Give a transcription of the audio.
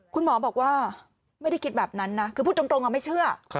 คุณหมอบอกว่าไม่ได้คิดแบบนั้นนะคือพูดตรงไม่เชื่อ